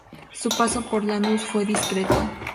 Su paso por Lanús fue discreto.